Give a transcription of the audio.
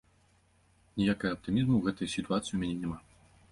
Ніякага аптымізму ў гэтай сітуацыі ў мяне няма.